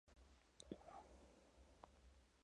Madeleine decidió decantarse por la psiquiatría.